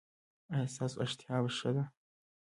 ایا ستاسو اشتها ښه ده؟